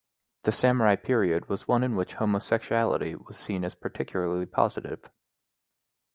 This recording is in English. The Samurai period was one in which homosexuality was seen as particularly positive.